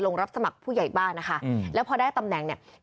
รับสมัครผู้ใหญ่บ้านนะคะแล้วพอได้ตำแหน่งเนี่ย